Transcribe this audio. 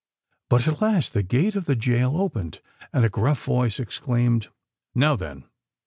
But at last the gate of the gaol opened; and a gruff voice exclaimed, "Now then!"